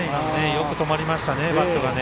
よく止まりましたね、バットが。